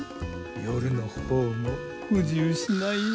夜の方も不自由しないよ。